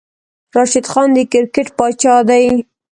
راشد خان د کرکیټ پاچاه دی